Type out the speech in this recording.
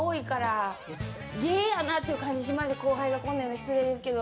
後輩がこんなん言うの失礼ですけど。